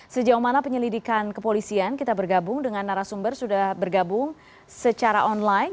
sejauh mana penyelidikan kepolisian kita bergabung dengan narasumber sudah bergabung secara online